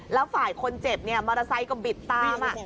แล้วฝ่ายคนเจ็บเนี่ยมอเตอร์ไซค์ก็บิดตาม